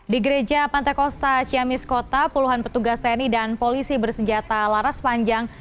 di gereja pantai kosta ciamis kota puluhan petugas tni dan polisi bersenjata laras panjang